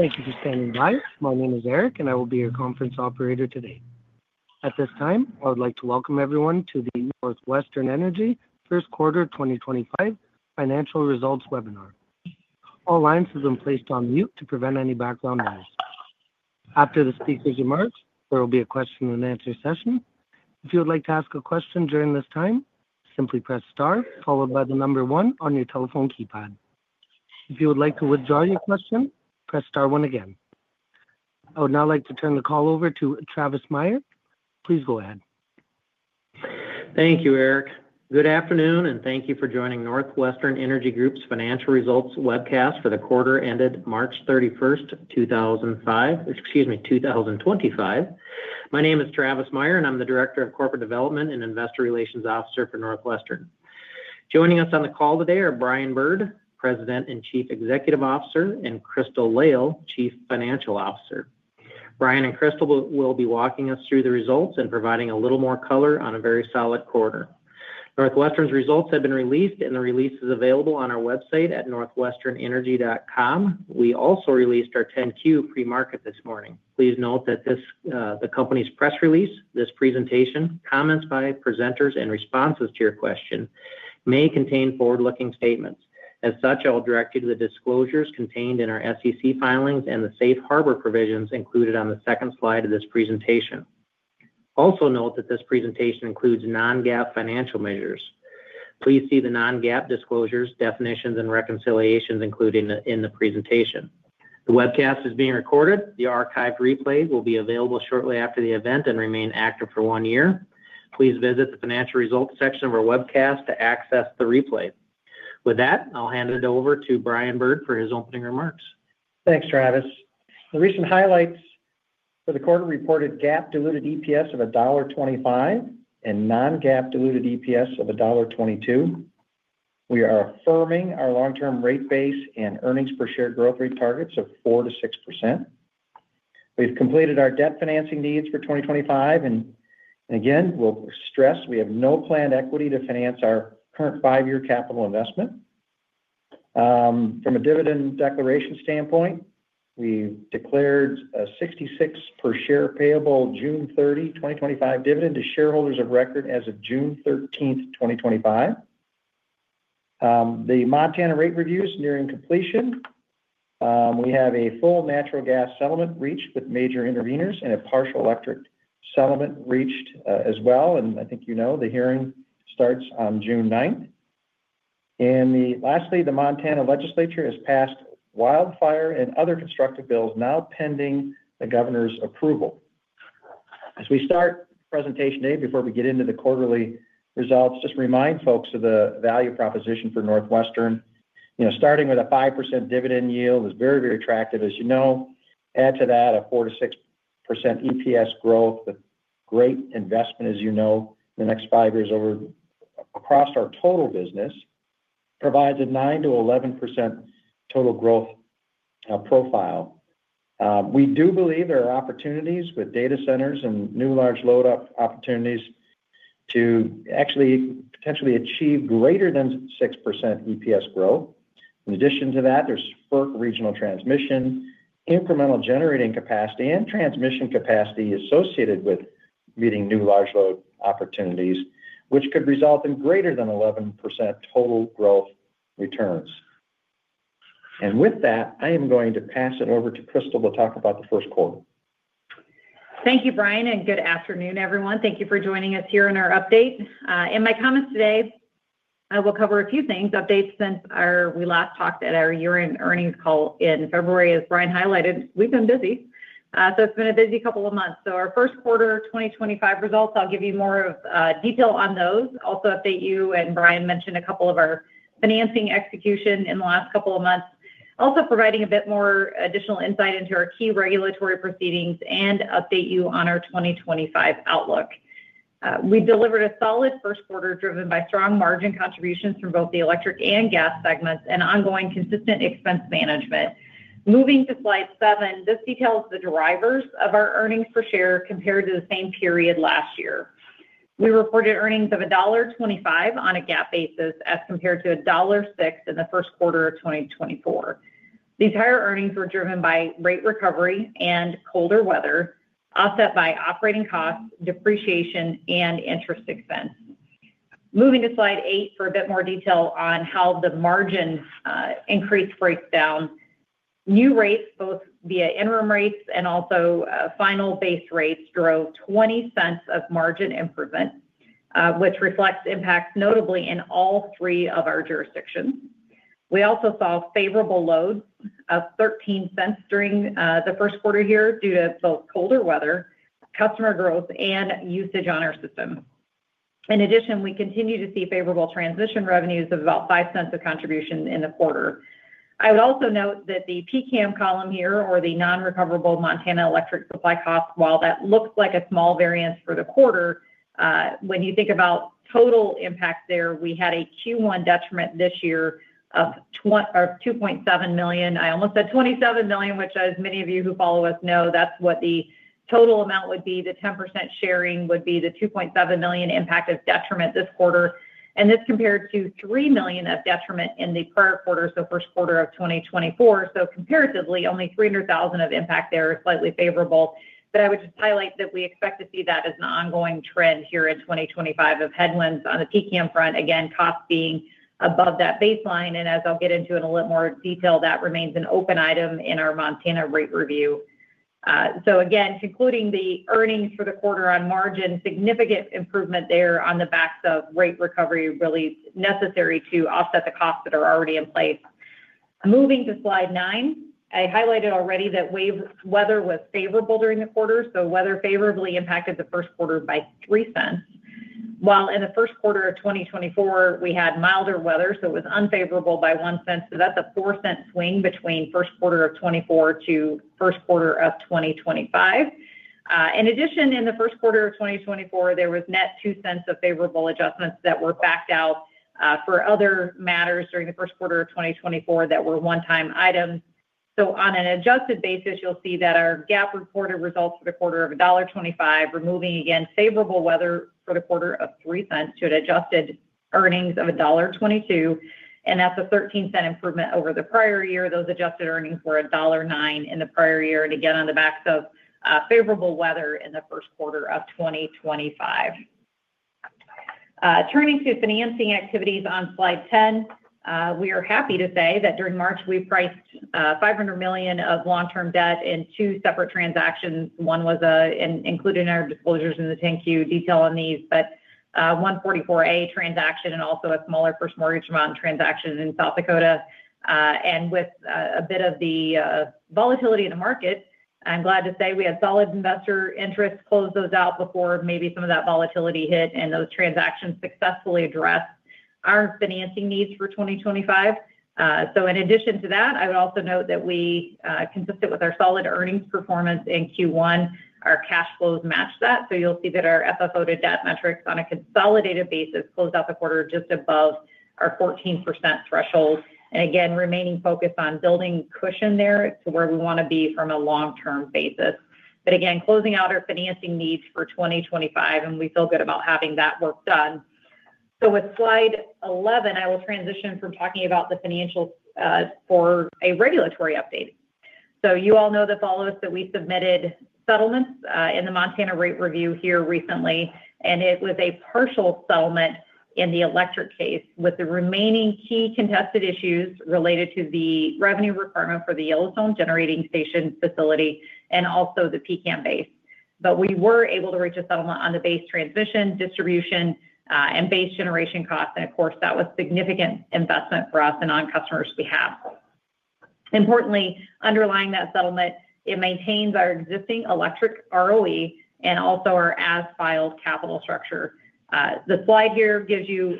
Thank you for standing by. My name is Eric, and I will be your conference operator today. At this time, I would like to welcome everyone to the NorthWestern Energy First Quarter 2025 Financial Results Webinar. All lines have been placed on mute to prevent any background noise. After the speaker's remarks, there will be a question-and-answer session. If you would like to ask a question during this time, simply press star, followed by the number one on your telephone keypad. If you would like to withdraw your question, press star one again. I would now like to turn the call over to Travis Meyer. Please go ahead. Thank you, Eric. Good afternoon, and thank you for joining NorthWestern Energy Group's Financial Results Webcast for the quarter ended March 31, 2005—excuse me, 2025. My name is Travis Meyer, and I'm the Director of Corporate Development and Investor Relations Officer for NorthWestern. Joining us on the call today are Brian Bird, President and Chief Executive Officer, and Crystal Lail, Chief Financial Officer. Brian and Crystal will be walking us through the results and providing a little more color on a very solid quarter. NorthWestern's results have been released, and the release is available on our website at northwesternenergy.com. We also released our 10-Q pre-market this morning. Please note that the company's press release, this presentation, comments by presenters, and responses to your question may contain forward-looking statements. As such, I will direct you to the disclosures contained in our SEC filings and the safe harbor provisions included on the second slide of this presentation. Also note that this presentation includes non-GAAP financial measures. Please see the non-GAAP disclosures, definitions, and reconciliations included in the presentation. The webcast is being recorded. The archived replay will be available shortly after the event and remain active for one year. Please visit the financial results section of our webcast to access the replay. With that, I'll hand it over to Brian Bird for his opening remarks. Thanks, Travis. The recent highlights for the quarter reported GAAP-diluted EPS of $1.25 and non-GAAP-diluted EPS of $1.22. We are affirming our long-term rate base and earnings per share growth rate targets of 4%-6%. We've completed our debt financing needs for 2025. We have no planned equity to finance our current five-year capital investment. From a dividend declaration standpoint, we declared a $0.66 per share payable June 30, 2025 dividend to shareholders of record as of June 13, 2025. The Montana rate review is nearing completion. We have a full natural gas settlement reached with major intervenors and a partial electric settlement reached as well. I think you know the hearing starts on June 9th. Lastly, the Montana Legislature has passed wildfire and other constructive bills now pending the governor's approval. As we start presentation day, before we get into the quarterly results, just remind folks of the value proposition for NorthWestern. Starting with a 5% dividend yield is very, very attractive, as you know. Add to that a 4%-6% EPS growth, a great investment, as you know, in the next five years across our total business, provides a 9%-11% total growth profile. We do believe there are opportunities with data centers and new large load-up opportunities to actually potentially achieve greater than 6% EPS growth. In addition to that, there is FERC regional transmission, incremental generating capacity, and transmission capacity associated with meeting new large load opportunities, which could result in greater than 11% total growth returns. With that, I am going to pass it over to Crystal to talk about the first quarter. Thank you, Brian, and good afternoon, everyone. Thank you for joining us here in our update. In my comments today, I will cover a few things. Updates since we last talked at our year-end earnings call in February, as Brian highlighted, we've been busy. It's been a busy couple of months. For our first quarter 2025 results, I'll give you more detail on those. I'll also update you, and Brian mentioned a couple of our financing execution in the last couple of months. I'm also providing a bit more additional insight into our key regulatory proceedings and update you on our 2025 outlook. We delivered a solid first quarter driven by strong margin contributions from both the electric and gas segments and ongoing consistent expense management. Moving to slide seven, this details the drivers of our earnings per share compared to the same period last year. We reported earnings of $1.25 on a GAAP basis as compared to $1.06 in the first quarter of 2024. These higher earnings were driven by rate recovery and colder weather, offset by operating costs, depreciation, and interest expense. Moving to slide eight for a bit more detail on how the margin increase breaks down. New rates, both via interim rates and also final base rates, drove $0.20 of margin improvement, which reflects impacts notably in all three of our jurisdictions. We also saw favorable loads of $0.13 during the first quarter here due to both colder weather, customer growth, and usage on our system. In addition, we continue to see favorable transmission revenues of about $0.05 of contribution in the quarter. I would also note that the PCAM column here, or the non-recoverable Montana electric supply costs, while that looks like a small variance for the quarter, when you think about total impact there, we had a Q1 detriment this year of $2.7 million. I almost said $27 million, which, as many of you who follow us know, that's what the total amount would be. The 10% sharing would be the $2.7 million impact of detriment this quarter. This compared to $3 million of detriment in the prior quarter, so first quarter of 2024. Comparatively, only $300,000 of impact there is slightly favorable. I would just highlight that we expect to see that as an ongoing trend here in 2025 of headwinds on the PCAM front, again, costs being above that baseline. As I'll get into in a little more detail, that remains an open item in our Montana rate review. Again, concluding the earnings for the quarter on margin, significant improvement there on the back of rate recovery really necessary to offset the costs that are already in place. Moving to slide nine, I highlighted already that weather was favorable during the quarter. Weather favorably impacted the first quarter by $0.03. While in the first quarter of 2024, we had milder weather, so it was unfavorable by $0.01. That is a $0.04 swing between first quarter of 2024 to first quarter of 2025. In addition, in the first quarter of 2024, there was net $0.02 of favorable adjustments that were backed out for other matters during the first quarter of 2024 that were one-time items. On an adjusted basis, you'll see that our GAAP reported results for the quarter of $1.25, removing again favorable weather for the quarter of $0.03 to an adjusted earnings of $1.22. That's a $0.13 improvement over the prior year. Those adjusted earnings were $1.09 in the prior year. Again, on the back of favorable weather in the first quarter of 2025. Turning to financing activities on slide 10, we are happy to say that during March, we priced $500 million of long-term debt in two separate transactions. One was included in our disclosures in the 10Q. Detail on these, but 144A transaction and also a smaller first mortgage amount transaction in South Dakota. With a bit of the volatility in the market, I'm glad to say we had solid investor interest close those out before maybe some of that volatility hit and those transactions successfully addressed our financing needs for 2025. In addition to that, I would also note that we, consistent with our solid earnings performance in Q1, our cash flows match that. You'll see that our FFO to debt metrics on a consolidated basis closed out the quarter just above our 14% threshold. Again, remaining focused on building cushion there to where we want to be from a long-term basis. Again, closing out our financing needs for 2025, and we feel good about having that work done. With slide 11, I will transition from talking about the financials for a regulatory update. You all know the follow-ups that we submitted settlements in the Montana rate review here recently, and it was a partial settlement in the electric case with the remaining key contested issues related to the revenue requirement for the Yellowstone Generating Station facility and also the PCAM base. We were able to reach a settlement on the base transmission distribution and base generation costs. Of course, that was significant investment for us and on customers' behalf. Importantly, underlying that settlement, it maintains our existing electric ROE and also our as-filed capital structure. The slide here gives you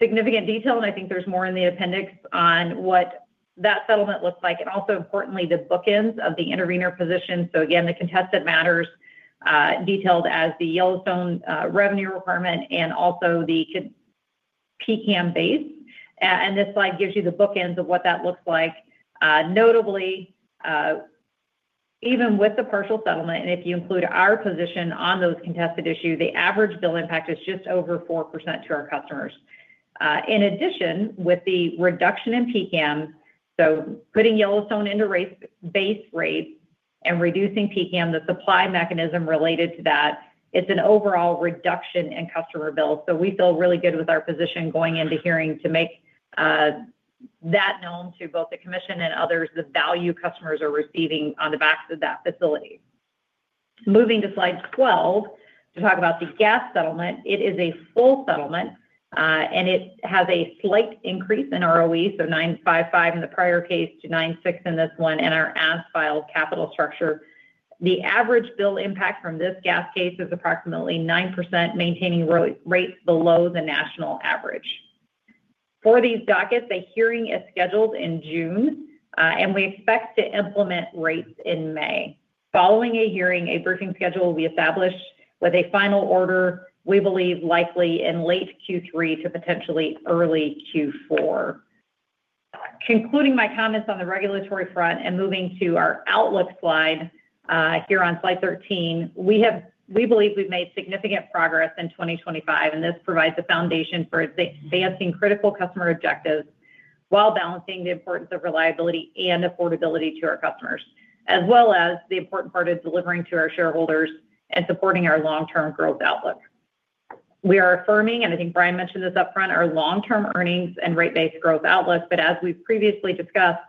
significant detail, and I think there's more in the appendix on what that settlement looks like. Also importantly, the bookends of the intervenor position. Again, the contested matters detailed as the Yellowstone revenue requirement and also the PCAM base. This slide gives you the bookends of what that looks like. Notably, even with the partial settlement, and if you include our position on those contested issues, the average bill impact is just over 4% to our customers. In addition, with the reduction in PCAM, putting Yellowstone into base rate and reducing PCAM, the supply mechanism related to that, it is an overall reduction in customer bills. We feel really good with our position going into hearing to make that known to both the commission and others, the value customers are receiving on the back of that facility. Moving to slide 12 to talk about the gas settlement. It is a full settlement, and it has a slight increase in ROE, 9.55 in the prior case to 9.6 in this one and our as-filed capital structure. The average bill impact from this gas case is approximately 9%, maintaining rates below the national average. For these dockets, a hearing is scheduled in June, and we expect to implement rates in May. Following a hearing, a briefing schedule will be established with a final order, we believe likely in late Q3 to potentially early Q4. Concluding my comments on the regulatory front and moving to our outlook slide here on slide 13, we believe we've made significant progress in 2025, and this provides a foundation for advancing critical customer objectives while balancing the importance of reliability and affordability to our customers, as well as the important part of delivering to our shareholders and supporting our long-term growth outlook. We are affirming, and I think Brian mentioned this upfront, our long-term earnings and rate based growth outlook. As we've previously discussed,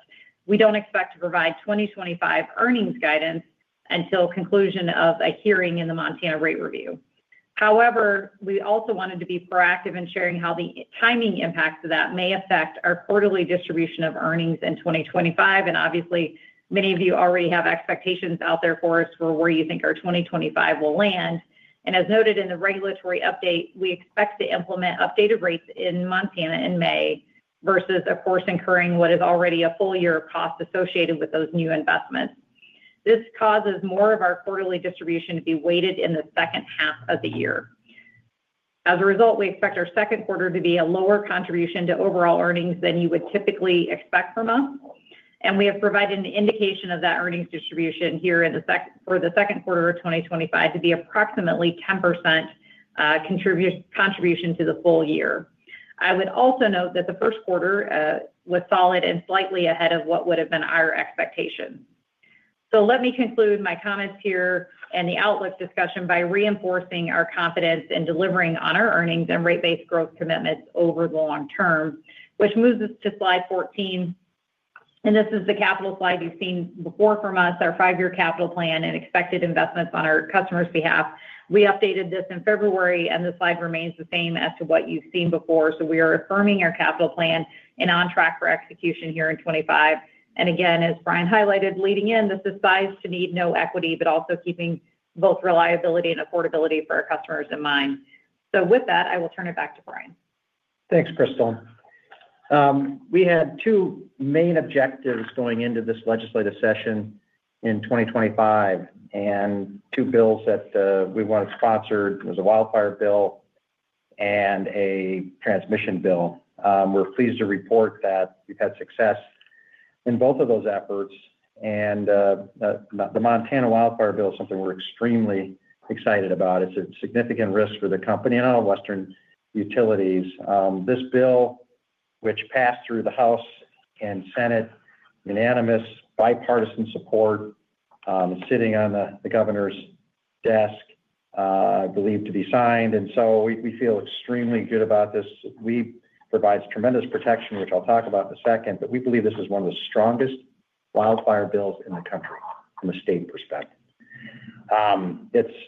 we don't expect to provide 2025 earnings guidance until conclusion of a hearing in the Montana rate review. However, we also wanted to be proactive in sharing how the timing impacts of that may affect our quarterly distribution of earnings in 2025. Obviously, many of you already have expectations out there for us for where you think our 2025 will land. As noted in the regulatory update, we expect to implement updated rates in Montana in May versus, of course, incurring what is already a full year of cost associated with those new investments. This causes more of our quarterly distribution to be weighted in the second half of the year. As a result, we expect our second quarter to be a lower contribution to overall earnings than you would typically expect from us. We have provided an indication of that earnings distribution here for the second quarter of 2025 to be approximately 10% contribution to the full year. I would also note that the first quarter was solid and slightly ahead of what would have been our expectation. Let me conclude my comments here and the outlook discussion by reinforcing our confidence in delivering on our earnings and rate-based growth commitments over the long term, which moves us to slide 14. This is the capital slide you've seen before from us, our five-year capital plan and expected investments on our customers' behalf. We updated this in February, and the slide remains the same as to what you've seen before. We are affirming our capital plan and on track for execution here in 2025. As Brian highlighted leading in, this is sized to need no equity, but also keeping both reliability and affordability for our customers in mind. With that, I will turn it back to Brian. Thanks, Crystal. We had two main objectives going into this legislative session in 2025 and two bills that we wanted sponsored. It was a wildfire bill and a transmission bill. We're pleased to report that we've had success in both of those efforts. The Montana wildfire bill is something we're extremely excited about. It's a significant risk for the company and all Western utilities. This bill, which passed through the House and Senate, unanimous bipartisan support, is sitting on the governor's desk, I believe, to be signed. We feel extremely good about this. We provide tremendous protection, which I'll talk about in a second, but we believe this is one of the strongest wildfire bills in the country from a state perspective.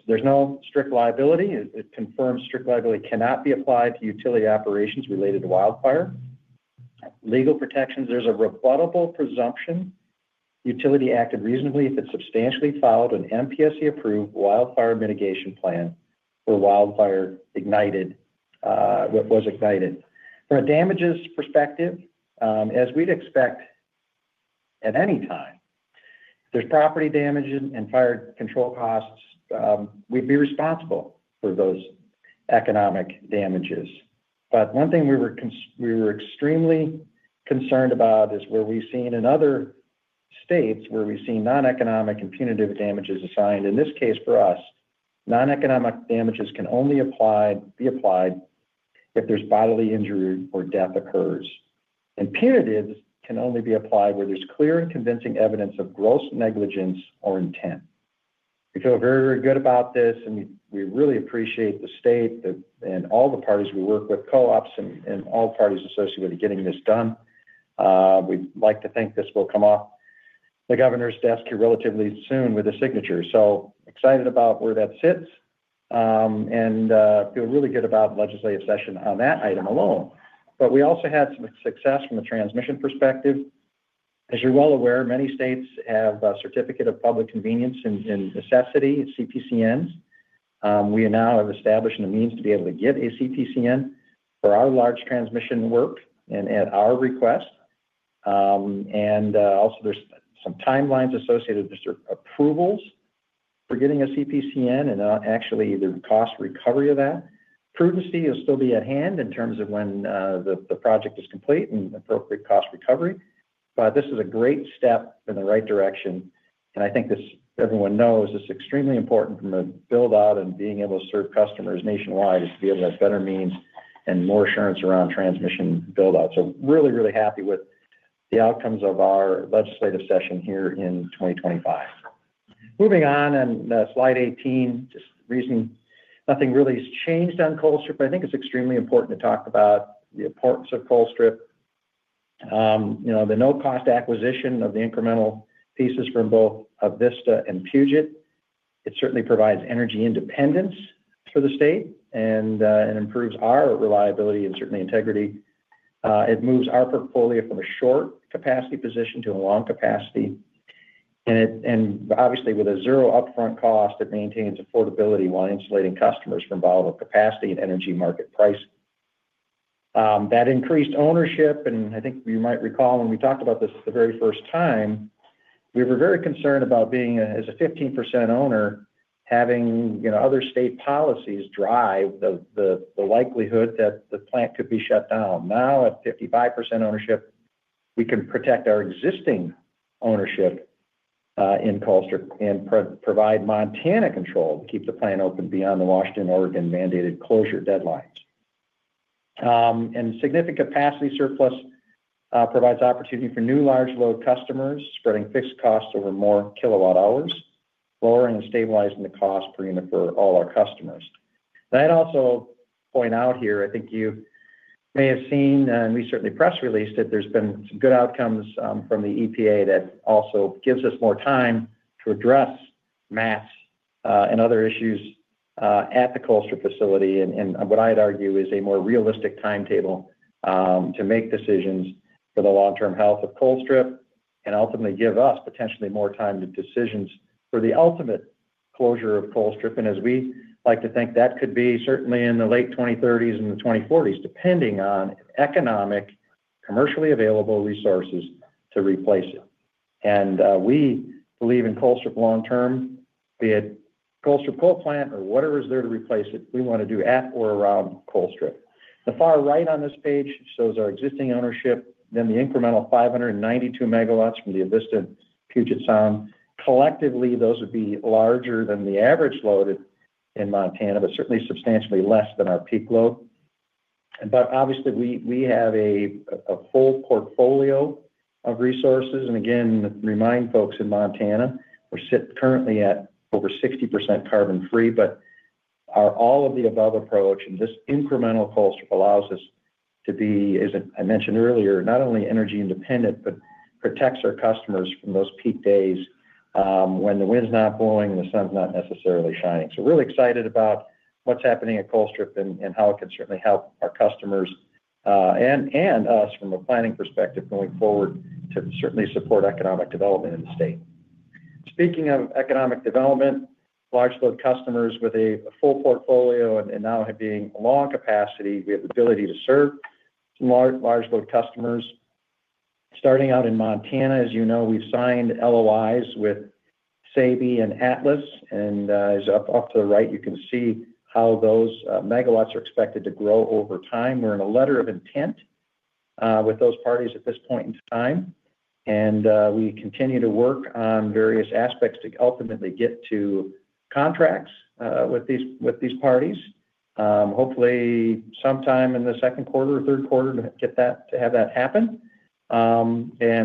There's no strict liability. It confirms strict liability cannot be applied to utility operations related to wildfire. Legal protections, there's a rebuttable presumption. Utility acted reasonably if it substantially followed an MPSC-approved wildfire mitigation plan for wildfire ignited, was ignited. From a damages perspective, as we'd expect at any time, there's property damage and fire control costs. We'd be responsible for those economic damages. One thing we were extremely concerned about is where we've seen in other states where we've seen non-economic and punitive damages assigned. In this case, for us, non-economic damages can only be applied if there's bodily injury or death occurs. Punitives can only be applied where there's clear and convincing evidence of gross negligence or intent. We feel very, very good about this, and we really appreciate the state and all the parties we work with, co-ops, and all parties associated with getting this done. We'd like to think this will come off the governor's desk here relatively soon with a signature. Excited about where that sits and feel really good about the legislative session on that item alone. We also had some success from a transmission perspective. As you're well aware, many states have a certificate of public convenience and necessity, CPCNs. We now have established a means to be able to get a CPCN for our large transmission work and at our request. Also, there's some timelines associated with just approvals for getting a CPCN and actually the cost recovery of that. Prudency will still be at hand in terms of when the project is complete and appropriate cost recovery. This is a great step in the right direction. I think, as everyone knows, it's extremely important from a build-out and being able to serve customers nationwide is to be able to have better means and more assurance around transmission build-out. Really, really happy with the outcomes of our legislative session here in 2025. Moving on, and slide 18, just reasoning nothing really has changed on Colstrip, but I think it's extremely important to talk about the importance of Colstrip. The no-cost acquisition of the incremental pieces from both Avista and Puget, it certainly provides energy independence for the state and improves our reliability and certainly integrity. It moves our portfolio from a short capacity position to a long capacity. Obviously, with a zero upfront cost, it maintains affordability while insulating customers from volatile capacity and energy market price. That increased ownership, and I think you might recall when we talked about this the very first time, we were very concerned about being as a 15% owner, having other state policies drive the likelihood that the plant could be shut down. Now, at 55% ownership, we can protect our existing ownership in Colstrip and provide Montana control to keep the plant open beyond the Washington-Oregon mandated closure deadlines. Significant capacity surplus provides opportunity for new large load customers, spreading fixed costs over more kilowatt-hours, lowering and stabilizing the cost per unit for all our customers. I would also point out here, I think you may have seen, and we certainly press released, that there have been some good outcomes from the EPA that also give us more time to address MATS and other issues at the Colstrip facility and what I would argue is a more realistic timetable to make decisions for the long-term health of Colstrip and ultimately give us potentially more time to make decisions for the ultimate closure of Colstrip. As we like to think, that could be certainly in the late 2030s and the 2040s, depending on economic, commercially available resources to replace it. We believe in Colstrip long-term, be it Colstrip coal plant or whatever is there to replace it, we want to do at or around Colstrip. The far right on this page shows our existing ownership, then the incremental 592 megawatts from the Avista-Puget Sound. Collectively, those would be larger than the average load in Montana, but certainly substantially less than our peak load. Obviously, we have a full portfolio of resources. Again, remind folks in Montana, we're currently at over 60% carbon-free, but all of the above approach and this incremental Colstrip allows us to be, as I mentioned earlier, not only energy independent, but protects our customers from those peak days when the wind's not blowing and the sun's not necessarily shining. Really excited about what's happening at Colstrip and how it can certainly help our customers and us from a planning perspective going forward to certainly support economic development in the state. Speaking of economic development, large load customers with a full portfolio and now being long capacity, we have the ability to serve large load customers. Starting out in Montana, as you know, we've signed LOIs with Sabey and Atlas. Up to the right, you can see how those megawatts are expected to grow over time. We're in a letter of intent with those parties at this point in time. We continue to work on various aspects to ultimately get to contracts with these parties. Hopefully, sometime in the second quarter or third quarter to have that happen.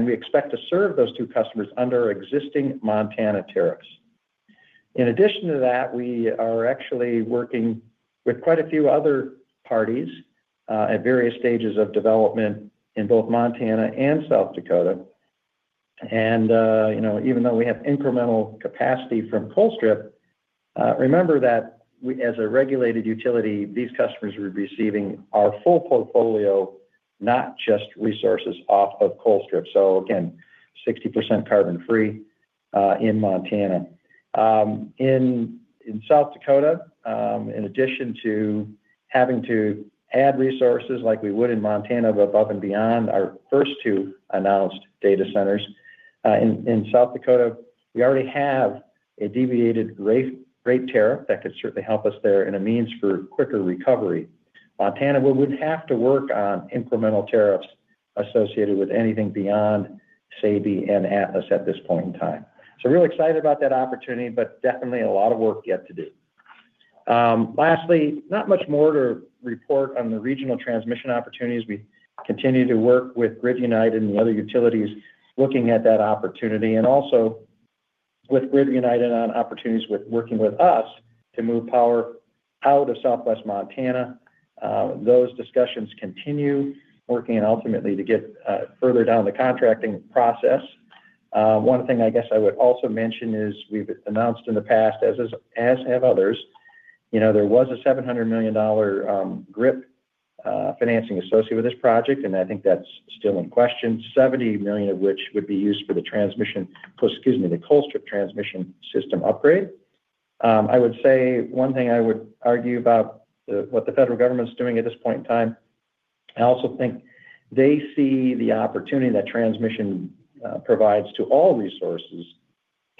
We expect to serve those two customers under existing Montana tariffs. In addition to that, we are actually working with quite a few other parties at various stages of development in both Montana and South Dakota. Even though we have incremental capacity from Colstrip, remember that as a regulated utility, these customers are receiving our full portfolio, not just resources off of Colstrip. Again, 60% carbon-free in Montana. In South Dakota, in addition to having to add resources like we would in Montana above and beyond our first two announced data centers, in South Dakota, we already have a deviated rate tariff that could certainly help us there in a means for quicker recovery. Montana would have to work on incremental tariffs associated with anything beyond Sabey and Atlas at this point in time. Really excited about that opportunity, but definitely a lot of work yet to do. Lastly, not much more to report on the regional transmission opportunities. We continue to work with Grid United and the other utilities looking at that opportunity. Also with Grid United on opportunities with working with us to move power out of Southwest Montana. Those discussions continue working ultimately to get further down the contracting process. One thing I guess I would also mention is we've announced in the past, as have others, there was a $700 million GRIP financing associated with this project, and I think that's still in question, $70 million of which would be used for the transmission, excuse me, the Colstrip transmission system upgrade. I would say one thing I would argue about what the federal government's doing at this point in time, I also think they see the opportunity that transmission provides to all resources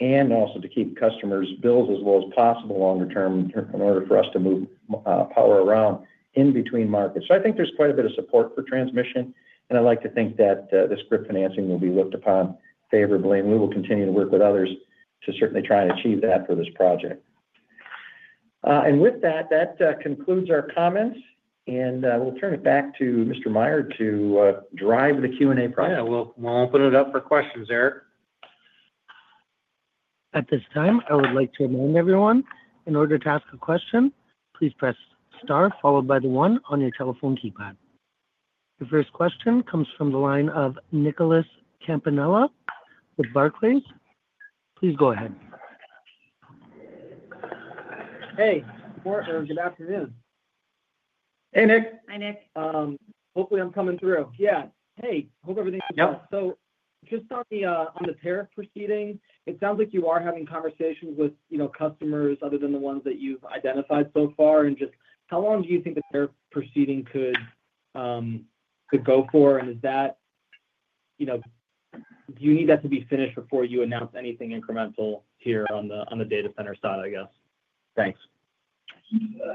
and also to keep customers' bills as low as possible longer term in order for us to move power around in between markets. I think there's quite a bit of support for transmission, and I'd like to think that this GRIP financing will be looked upon favorably. We will continue to work with others to certainly try and achieve that for this project. That concludes our comments, and we'll turn it back to Mr. Meyer to drive the Q&A process. Yeah, we'll open it up for questions, Eric. At this time, I would like to remind everyone, in order to ask a question, please press star followed by the one on your telephone keypad. The first question comes from the line of Nicholas Campanella with Barclays. Please go ahead. Hey, or good afternoon. Hey, Nic. Hi, Nic. Hopefully, I'm coming through. Yeah. Hey, hope everything's good. Yep. Just on the tariff proceeding, it sounds like you are having conversations with customers other than the ones that you've identified so far. How long do you think the tariff proceeding could go for? Do you need that to be finished before you announce anything incremental here on the data center side, I guess? Thanks.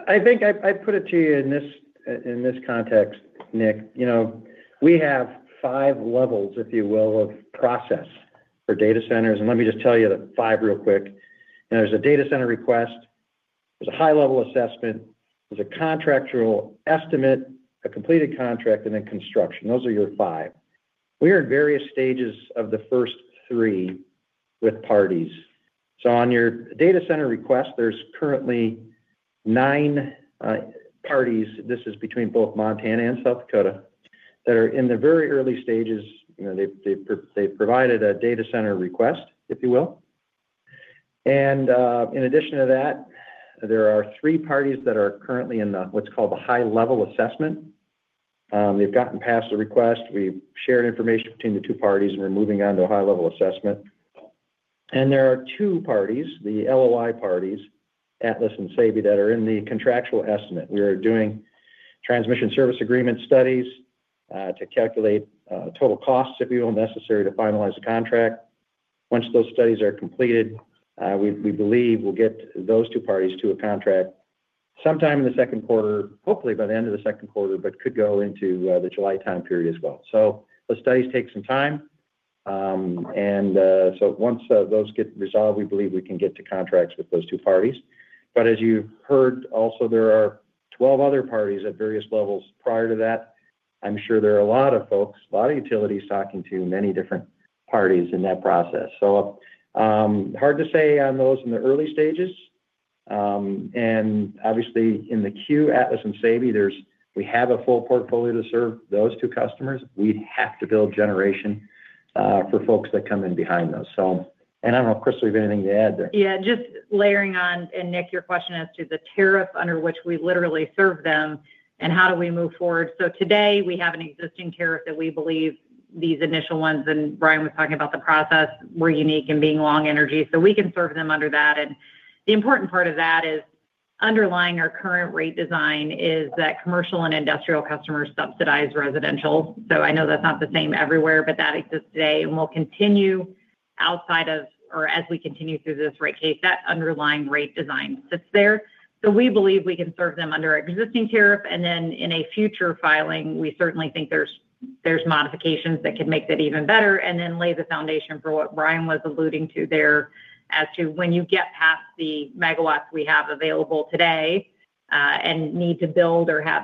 I think I put it to you in this context, Nic. We have five levels, if you will, of process for data centers. Let me just tell you the five real quick. There is a data center request, there is a high-level assessment, there is a contractual estimate, a completed contract, and then construction. Those are your five. We are in various stages of the first three with parties. On your data center request, there are currently nine parties. This is between both Montana and South Dakota that are in the very early stages. They have provided a data center request, if you will. In addition to that, there are three parties that are currently in what is called the high-level assessment. They have gotten past the request. We have shared information between the two parties, and we are moving on to a high-level assessment. There are two parties, the LOI parties, Atlas and Sabey, that are in the contractual estimate. We are doing transmission service agreement studies to calculate total costs, if you will, necessary to finalize the contract. Once those studies are completed, we believe we'll get those two parties to a contract sometime in the second quarter, hopefully by the end of the second quarter, but could go into the July time period as well. The studies take some time. Once those get resolved, we believe we can get to contracts with those two parties. As you've heard, also, there are 12 other parties at various levels. Prior to that, I'm sure there are a lot of folks, a lot of utilities talking to many different parties in that process. Hard to say on those in the early stages. Obviously, in the Q, Atlas and Sabey, we have a full portfolio to serve those two customers. We have to build generation for folks that come in behind those. I do not know, Crystal, you have anything to add there? Yeah, just layering on, and Nic, your question as to the tariff under which we literally serve them and how do we move forward. Today, we have an existing tariff that we believe these initial ones, and Brian was talking about the process, were unique in being long energy. We can serve them under that. The important part of that is underlying our current rate design is that commercial and industrial customers subsidize residential. I know that's not the same everywhere, but that exists today. We'll continue outside of, or as we continue through this rate case, that underlying rate design sits there. We believe we can serve them under existing tariff. In a future filing, we certainly think there are modifications that could make that even better and lay the foundation for what Brian was alluding to there as to when you get past the megawatts we have available today and need to build or have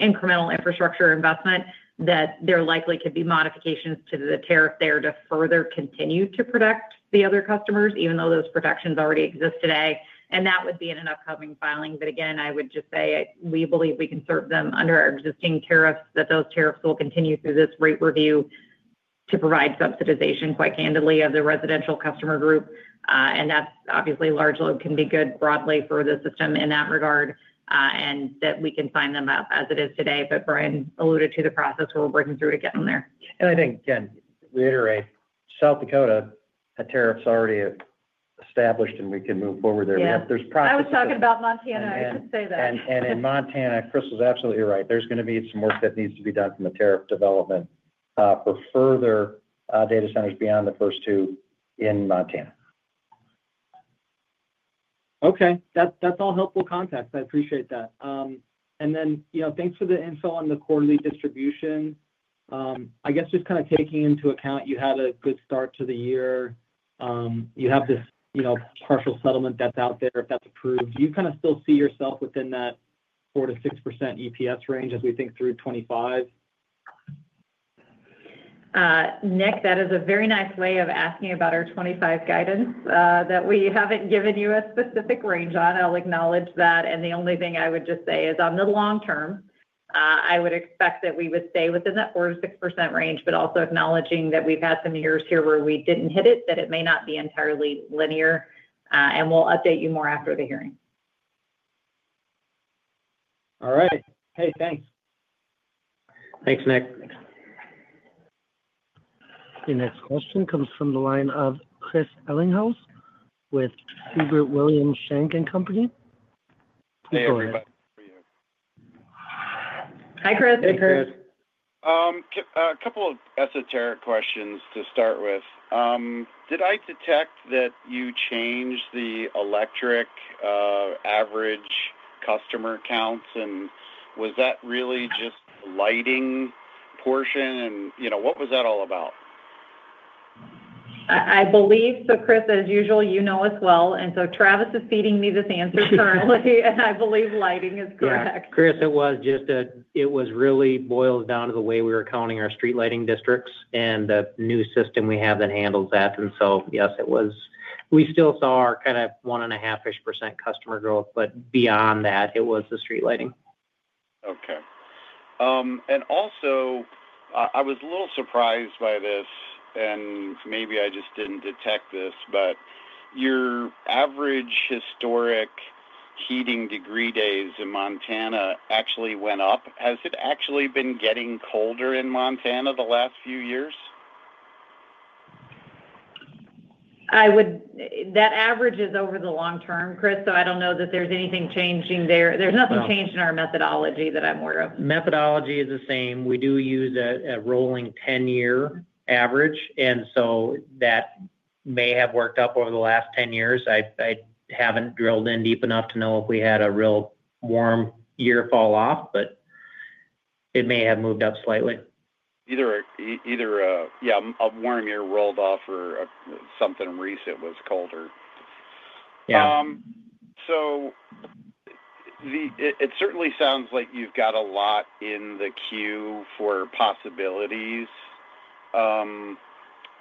incremental infrastructure investment, that there likely could be modifications to the tariff there to further continue to protect the other customers, even though those protections already exist today. That would be in an upcoming filing. Again, I would just say we believe we can serve them under our existing tariffs, that those tariffs will continue through this rate review to provide subsidization, quite candidly, of the residential customer group. Obviously, large load can be good broadly for the system in that regard and we can sign them up as it is today. Brian alluded to the process we're working through to get them there. I think, again, reiterate, South Dakota, the tariff's already established, and we can move forward there. There's processes. I was talking about Montana. I should say that. In Montana, Crystal's absolutely right. There's going to be some work that needs to be done from the tariff development for further data centers beyond the first two in Montana. Okay. That's all helpful context. I appreciate that. Thanks for the info on the quarterly distribution. I guess just kind of taking into account you had a good start to the year. You have this partial settlement that's out there if that's approved. Do you kind of still see yourself within that 4-6% EPS range as we think through 2025? Nic, that is a very nice way of asking about our 2025 guidance that we have not given you a specific range on. I will acknowledge that. The only thing I would just say is on the long term, I would expect that we would stay within that 4-6% range, also acknowledging that we have had some years here where we did not hit it, that it may not be entirely linear. We will update you more after the hearing. All right. Hey, thanks. Thanks, Nic. Thanks. The next question comes from the line of Chris Ellinghaus with Siebert Williams Shank & Co. Hey, everybody. Hi, Chris. Hey, Chris. A couple of esoteric questions to start with. Did I detect that you changed the electric average customer counts? Was that really just the lighting portion? What was that all about? I believe, Chris, as usual, you know as well. Travis is feeding me this answer currently. I believe lighting is correct. Yeah. Chris, it was just that it was really boiled down to the way we were counting our street lighting districts and the new system we have that handles that. Yes, it was. We still saw our kind of one and a half-ish % customer growth, but beyond that, it was the street lighting. Okay. I was a little surprised by this, and maybe I just didn't detect this, but your average historic heating degree days in Montana actually went up. Has it actually been getting colder in Montana the last few years? That average is over the long term, Chris, so I don't know that there's anything changing there. There's nothing changed in our methodology that I'm aware of. Methodology is the same. We do use a rolling 10-year average. That may have worked up over the last 10 years. I have not drilled in deep enough to know if we had a real warm year fall off, but it may have moved up slightly. Either, yeah, a warm year rolled off or something recent was colder. It certainly sounds like you've got a lot in the queue for possibilities.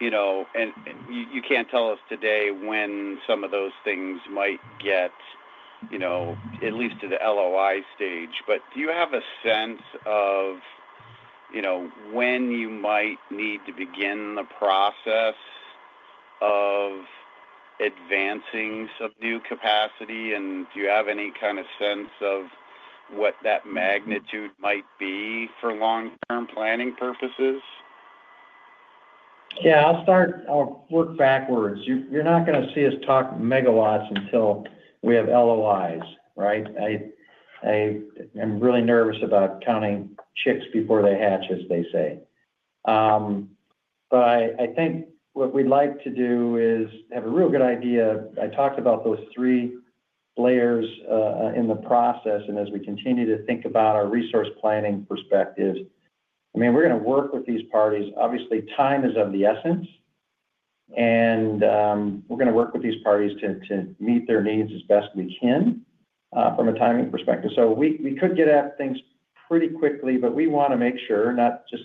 You can't tell us today when some of those things might get at least to the LOI stage. Do you have a sense of when you might need to begin the process of advancing some new capacity? Do you have any kind of sense of what that magnitude might be for long-term planning purposes? Yeah, I'll work backwards. You're not going to see us talk megawatts until we have LOIs, right? I'm really nervous about counting chicks before they hatch, as they say. I think what we'd like to do is have a real good idea. I talked about those three layers in the process. As we continue to think about our resource planning perspective, I mean, we're going to work with these parties. Obviously, time is of the essence. We're going to work with these parties to meet their needs as best we can from a timing perspective. We could get at things pretty quickly, but we want to make sure not just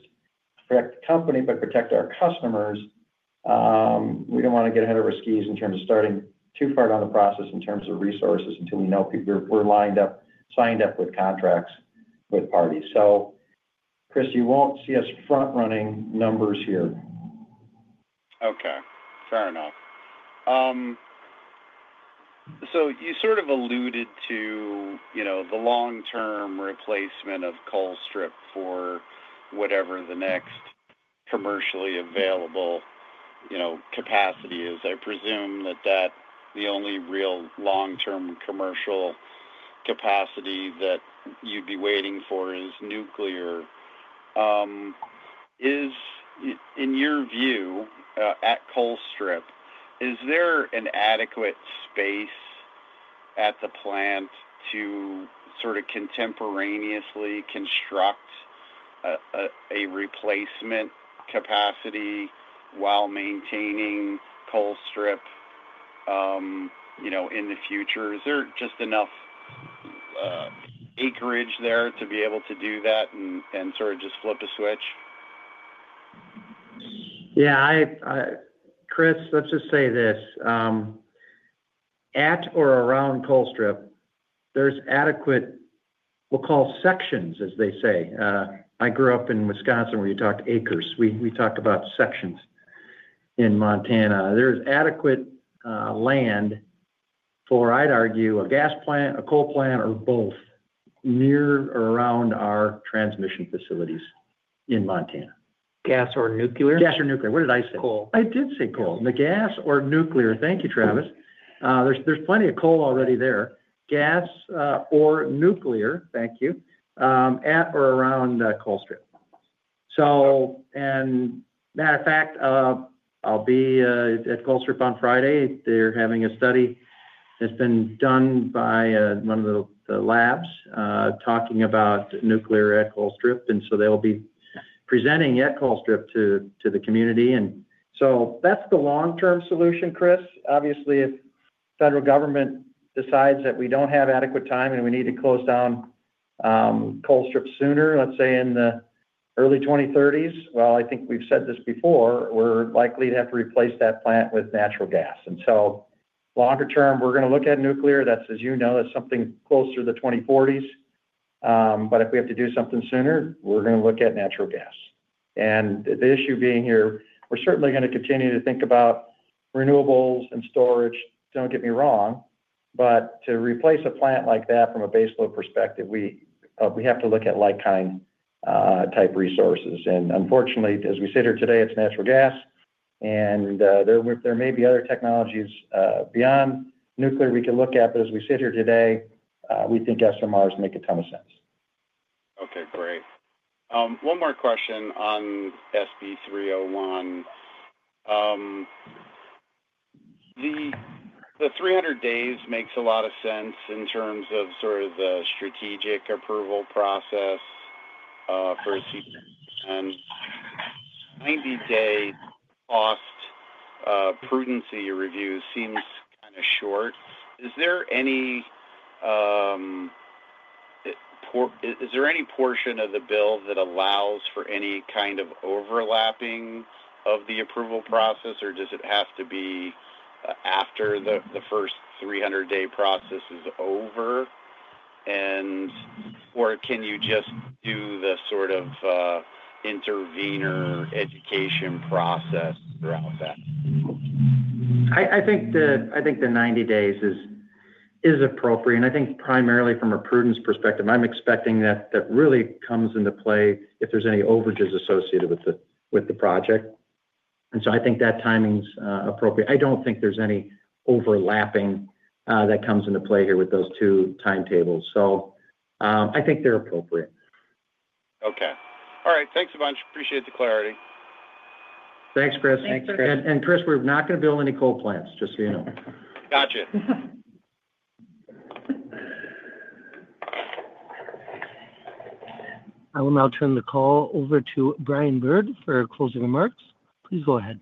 protect the company, but protect our customers. We do not want to get ahead of our skis in terms of starting too far down the process in terms of resources until we know we are lined up, signed up with contracts with parties. Chris, you will not see us front-running numbers here. Okay. Fair enough. You sort of alluded to the long-term replacement of Colstrip for whatever the next commercially available capacity is. I presume that the only real long-term commercial capacity that you'd be waiting for is nuclear. In your view at Colstrip, is there an adequate space at the plant to sort of contemporaneously construct a replacement capacity while maintaining Colstrip in the future? Is there just enough acreage there to be able to do that and sort of just flip a switch? Yeah. Chris, let's just say this. At or around Colstrip, there's adequate, we'll call sections, as they say. I grew up in Wisconsin where you talked acres. We talk about sections in Montana. There is adequate land for, I'd argue, a gas plant, a coal plant, or both near or around our transmission facilities in Montana. Gas or nuclear? Gas or nuclear. What did I say? Coal. I did say coal. The gas or nuclear. Thank you, Travis. There's plenty of coal already there. Gas or nuclear, thank you, at or around Colstrip. As a matter of fact, I'll be at Colstrip on Friday. They're having a study that's been done by one of the labs talking about nuclear at Colstrip. They'll be presenting at Colstrip to the community. That's the long-term solution, Chris. Obviously, if the federal government decides that we don't have adequate time and we need to close down Colstrip sooner, let's say in the early 2030s, I think we've said this before, we're likely to have to replace that plant with natural gas. Longer term, we're going to look at nuclear. That's, as you know, something closer to the 2040s. If we have to do something sooner, we're going to look at natural gas. The issue being here, we're certainly going to continue to think about renewables and storage, don't get me wrong. To replace a plant like that from a baseload perspective, we have to look at like-kind type resources. Unfortunately, as we sit here today, it's natural gas. There may be other technologies beyond nuclear we can look at. As we sit here today, we think SMRs make a ton of sense. Okay. Great. One more question on SB 301. The 300 days makes a lot of sense in terms of sort of the strategic approval process for a CPCN. Ninety-day cost prudency review seems kind of short. Is there any portion of the bill that allows for any kind of overlapping of the approval process, or does it have to be after the first 300-day process is over? Or can you just do the sort of intervenor education process throughout that? I think the 90 days is appropriate. I think primarily from a prudence perspective, I'm expecting that really comes into play if there's any overages associated with the project. I think that timing's appropriate. I don't think there's any overlapping that comes into play here with those two timetables. I think they're appropriate. Okay. All right. Thanks a bunch. Appreciate the clarity. Thanks, Chris. Thanks, Chris. Chris, we're not going to build any coal plants, just so you know. Gotcha. I will now turn the call over to Brian Bird for closing remarks. Please go ahead.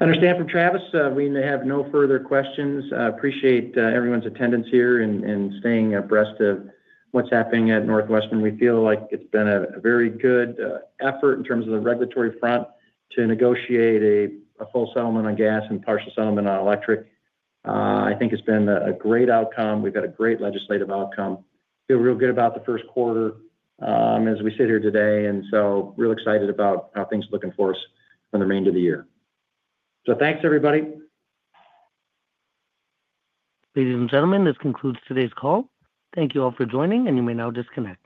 Understand from Travis, we have no further questions. Appreciate everyone's attendance here and staying abreast of what's happening at NorthWestern. We feel like it's been a very good effort in terms of the regulatory front to negotiate a full settlement on gas and partial settlement on electric. I think it's been a great outcome. We've got a great legislative outcome. Feel real good about the first quarter as we sit here today. Real excited about how things looking for us for the remainder of the year. Thanks, everybody. Ladies and gentlemen, this concludes today's call. Thank you all for joining, and you may now disconnect.